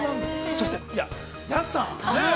そして、安さん、ねえ。